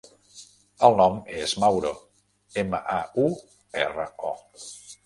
El nom és Mauro: ema, a, u, erra, o.